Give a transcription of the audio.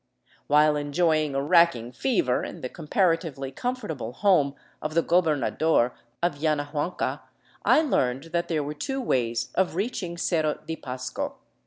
While enjoying a racking fever in the comparatively comfortable home of the gobernador of Yanahuanca, I learned that there were two 312 THE ROOF OF PERU ways of reaching Cerro de Pasco.